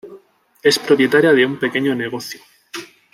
Es propietaria de un pequeño negocio.